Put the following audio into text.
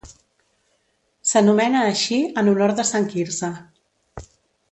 S'anomena així en honor de Sant Quirze.